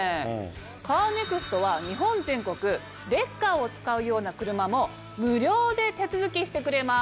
カーネクストは日本全国レッカーを使うような車も無料で手続きしてくれます。